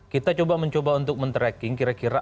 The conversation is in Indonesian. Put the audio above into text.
kita coba mencoba untuk men tracking kira kira